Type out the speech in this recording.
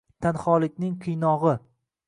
Tanholikning qiynog’i.